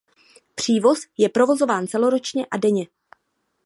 Přívoz je provozován celoročně a denně.